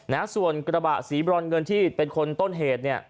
นะฮะส่วนกระบะสีบรอนเงินที่เป็นคนต้นเหตุเนี่ย